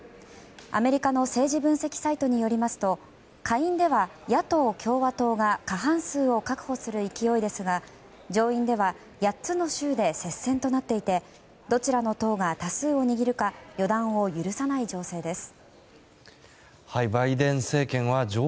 アメリカの政治分析サイトによりますと下院では野党・共和党が過半数を確保する勢いですが上院では８つの州で接戦となっていてどちらの党が多数を握るか予断を許さない情勢です。